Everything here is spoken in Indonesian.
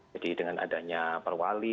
jadi dengan adanya perwali